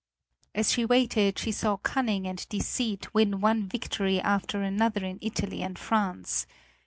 As she waited she saw cunning and deceit win one victory after another in Italy and France.